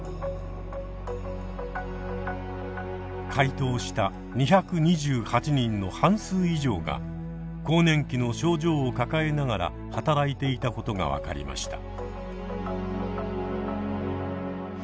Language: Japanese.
回答した２２８人の半数以上が更年期の症状を抱えながら働いていたことが分かりました。